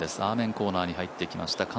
アーメンコーナーに入ってきました。